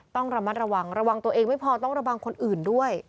ต้องระมัดระวังระวังตัวเองไม่พอต้องระวังคนอื่นด้วย